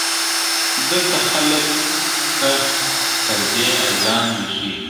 دلته خلک په پردي آذان ویښیږي -